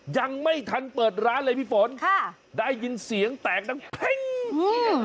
ยังไม่ทันเปิดร้านเลยพี่ฝนค่ะได้ยินเสียงแตกดังเปร้งอืม